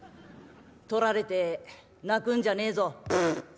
「取られて泣くんじゃねえぞ」。